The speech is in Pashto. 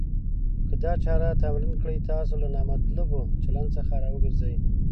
که دا چاره تمرین کړئ. تاسو له نامطلوب چلند څخه راګرځوي.